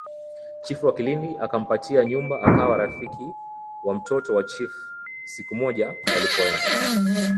Chifu wa Kilindi akampatia nyumba akawa rafiki wa mtoto wa chifu Siku moja walipoenda